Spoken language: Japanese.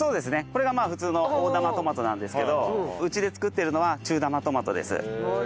これが普通の大玉トマトなんですけどうちで作ってるのは中玉トマトです。